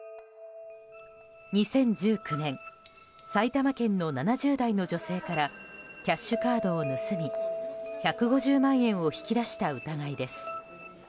２０１９年埼玉県の７０代の女性からキャッシュカードを盗み１５０万円を引き出した疑いです。